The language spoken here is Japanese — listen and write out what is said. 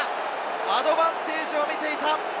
アドバンテージを見ていた。